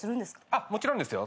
もちろんですよ。